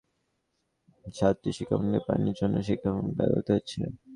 আমার জানামতে, আগ্রাবাদের ছয়-সাতটি শিক্ষাপ্রতিষ্ঠানে পানির জন্য শিক্ষা কার্যক্রম ব্যাহত হচ্ছে।